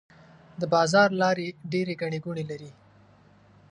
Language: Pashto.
د بازار لارې ډيرې ګڼې ګوڼې لري.